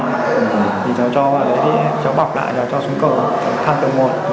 cháu bọc lại cho xuống cửa thang cửa một